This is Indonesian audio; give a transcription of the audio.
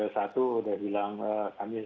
sudah bilang kami